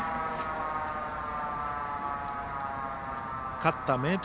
勝った明徳